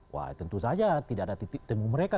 wah tentu saja tidak ada titik temu mereka